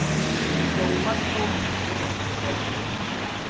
做乜都唔好做二世祖